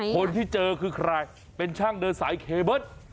คนที่เจอคือใครเป็นช่างเดินสายเคเบิ้ล